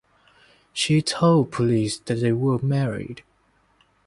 She told police that they were married.